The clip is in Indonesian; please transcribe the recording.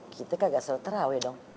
kita kagak selera terawih dong